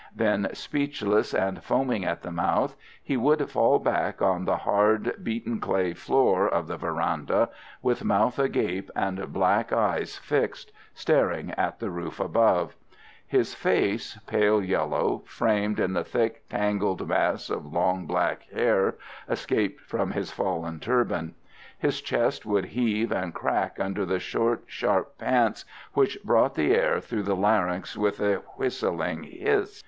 Then, speechless and foaming at the mouth, he would fall back on the hard, beaten clay floor of the verandah, with mouth agape and black eyes fixed, staring at the roof above; his face, pale yellow, framed in the thick, tangled mass of long black hair escaped from his fallen turban. His chest would heave and crack under the short, sharp pants which brought the air through the larynx with a whistling hiss.